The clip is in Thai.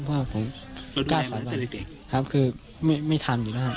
เพราะว่าผมกล้าสามารถครับคือไม่ไม่ทำอยู่แล้วครับ